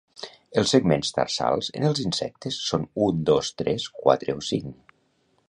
Els segments tarsals en els insectes són un, dos, tres, quatre o cinc.